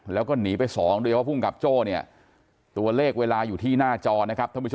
แล้วก็หนีไปสองโดยเฉพาะพูมกับโจ้ตัวเลขเวลาอยู่ที่หน้าจอน